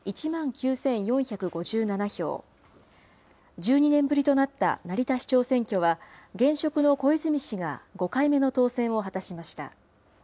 １２年ぶりとなった成田市長選挙は、現職の小泉氏が５回目の当選を果たしました。